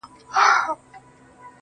o په يوه جـادو دي زمـــوږ زړونه خپل كړي.